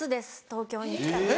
東京に来たの。